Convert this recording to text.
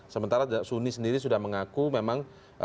sementara suni sendiri sudah mengaku memang